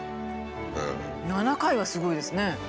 ７回はすごいですね。